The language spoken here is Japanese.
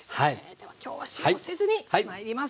では今日は塩をせずにまいります。